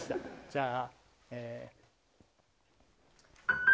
じゃあ。